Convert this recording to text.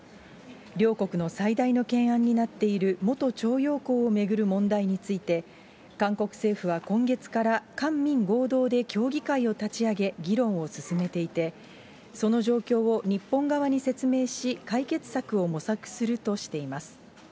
両国の最大の懸案になっている元徴用工を巡る問題について、韓国政府は今月から官民合同で協議会を立ち上げ、議論を進めていて、その状況を日本側に説明し、解決策を模索するとしています。